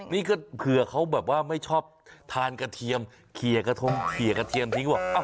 นี่ก็เผื่อเขาแบบว่าไม่ชอบทานกระเทียมเขียกระทงเขียกระเทียมทิ้งบอก